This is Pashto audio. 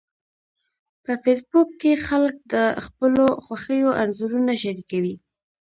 په فېسبوک کې خلک د خپلو خوښیو انځورونه شریکوي